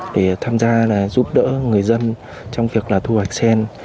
để tham gia giúp đỡ người dân trong việc là thu hoạch sen